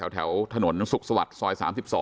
แถวถนนสุขสวัสดิ์ซอย๓๒